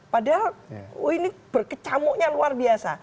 padahal ini berkecamuknya luar biasa